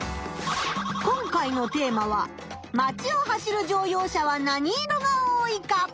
今回のテーマは「まちを走る乗用車は何色が多いか」。